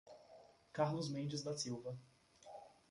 Carlos Mendes da Silva